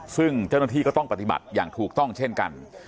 ซึ่งเจ้าหน้าที่ก็ต้องปฏิบัติอย่างถูกต้องเช่นกัน